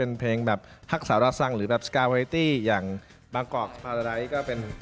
งานจะมีวันนั้นยังไงไปฟังศิลปินเขาชวนกันหน่อยจ้า